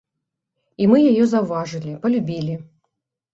І мы яе заўважылі, палюбілі.